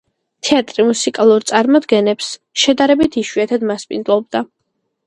თეატრი მუსიკალურ წარმოდგენებს შედარებით იშვიათად მასპინძლობდა.